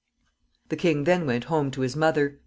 The king then went home to his mother.